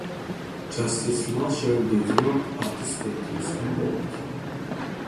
Justice Marshall did not participate in the vote.